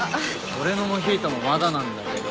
俺のモヒートもまだなんだけど。